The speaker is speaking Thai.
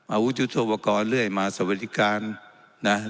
อาวุธยุทธวะกรเลื่อยมาสวรรค์วิทยาลัยการณ์